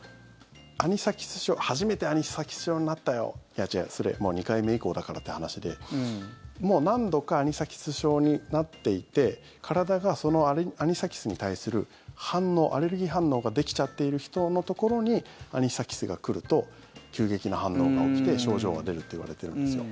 初めてアニサキス症になったよいや、違う、それもう２回目以降だからって話でもう何度かアニサキス症になっていて体がそのアニサキスに対する反応アレルギー反応ができちゃっている人のところにアニサキスが来ると急激な反応が起きて症状が出るっていわれてるんですよ。